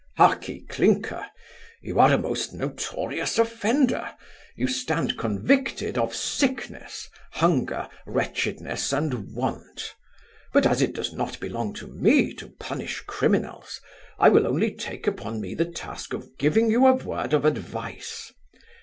Heark ye, Clinker, you are a most notorious offender You stand convicted of sickness, hunger, wretchedness, and want But, as it does not belong to me to punish criminals, I will only take upon me the task of giving you a word of advice.